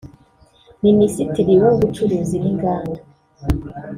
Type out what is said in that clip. minisitiri w’ubucuruzi n’inganda